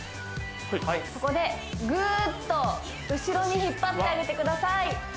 そこでグーッと後ろに引っ張ってあげてください